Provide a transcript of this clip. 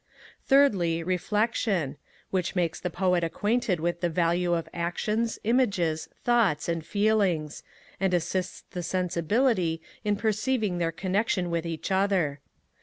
3rdly, Reflection, which makes the Poet acquainted with the value of actions, images, thoughts, and feelings; and assists the sensibility in perceiving their connexion with each other.